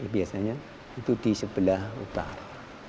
biasanya itu di sebelah utara